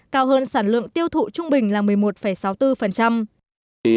cao hơn sản lượng tiêu thụ trung bình là một sáu triệu kwh